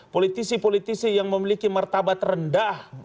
politisi politisi yang memiliki martabat rendah